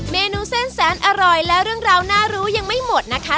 เมนูเส้นแสนอร่อยและเรื่องราวน่ารู้ยังไม่หมดนะคะ